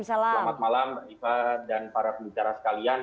selamat malam mbak iva dan para pembicara sekalian